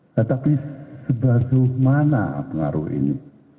tetapi sebasuh mana pengaruh ini